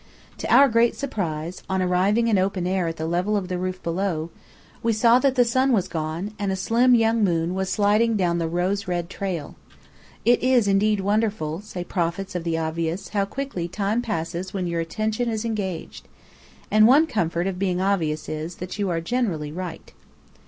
To our great surprise, on arriving in open air at the level of the roof below, we saw that the sun was gone, and a slim young moon was sliding down the rose red trail. It is indeed wonderful, say prophets of the obvious, how quickly time passes when your attention is engaged! And one comfort of being obvious is, that you are generally right.